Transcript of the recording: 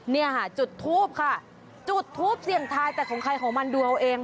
เนี่ยค่ะจุดทูปค่ะจุดทูปเสี่ยงทายแต่ของใครของมันดูเอาเอง